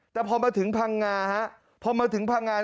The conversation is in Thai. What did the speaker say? แต่พอมาถึงพังงาฮะพอมาถึงพังงา